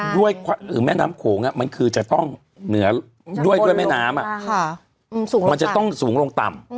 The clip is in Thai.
ด้วยแม่น้ำโขงมันคือจะต้องเหนือด้วยแม่น้ำมันจะต้องสูงลงต่ำ